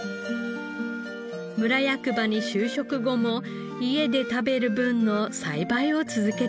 村役場に就職後も家で食べる分の栽培を続けていました。